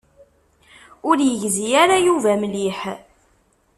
Ur yegzi ara Yuba mliḥ.